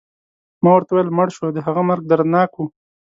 ما ورته وویل: مړ شو، د هغه مرګ دردناک و.